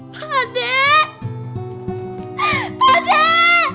jangan tinggalkan aku asruli